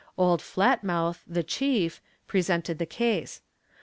Old Flat mouth, the chief, presented the case.